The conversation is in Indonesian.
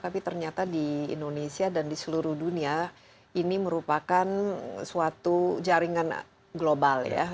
tapi ternyata di indonesia dan di seluruh dunia ini merupakan suatu jaringan global ya